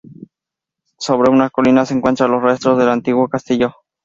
Sobre una colina se encuentran los restos del antiguo castillo.